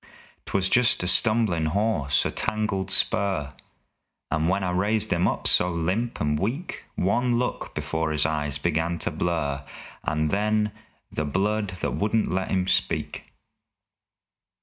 'Twas just a stumblin' hawse, a tangled spur And, when I raised him up so limp and weak, One look before his eyes begun to blur And then the blood that wouldn't let 'im speak!